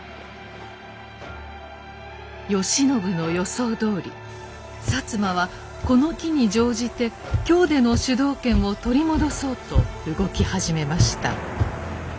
慶喜の予想どおり摩はこの機に乗じて京での主導権を取り戻そうと動き始めました。